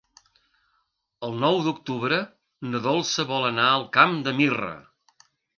El nou d'octubre na Dolça vol anar al Camp de Mirra.